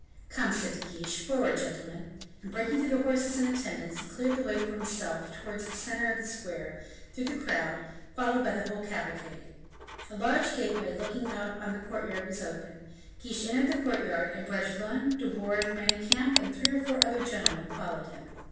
"Come," said De Guiche, "forward, gentlemen!" and breaking through the horses and attendants, he cleared the way for himself towards the center of the square, through the crowd, followed by the whole cavalcade. A large gateway looking out upon a courtyard was open; Guiche entered the courtyard, and Bragelonne, De Wardes, Manicamp, and three or four other gentlemen, followed him.